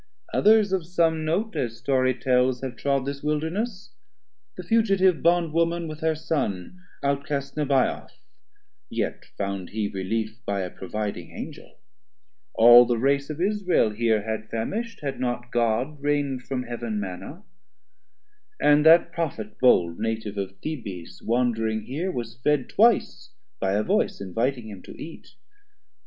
Others of some note, As story tells, have trod this Wilderness; The Fugitive Bond woman with her Son Out cast Nebaioth, yet found he relief By a providing Angel; all the race 310 Of Israel here had famish'd, had not God Rain'd from Heaven Manna, and that Prophet bold Native of Thebes wandring here was fed Twice by a voice inviting him to eat.